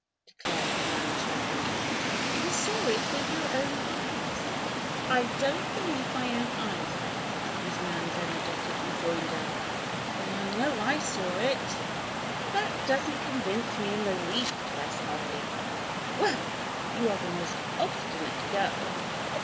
declared Nan Sherwood. "You saw it with your own eyes!" "I don't believe my own eyes, then!" was Nan's energetic rejoinder. "Well, I know I saw it!" "That doesn't convince me in the least, Bess Harley." "Well! you are the most obstinate girl!"